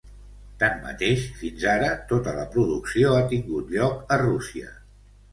Tanmateix, fins ara tota la producció ha tingut lloc a Rússia.